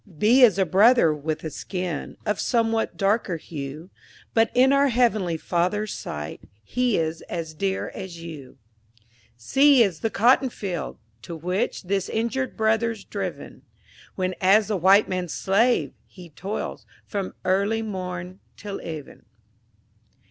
B is a Brother with a skin Of somewhat darker hue, But in our Heavenly Father's sight, He is as dear as you. C is the Cotton field, to which This injured brother's driven, When, as the white man's slave, he toils, From early morn till even.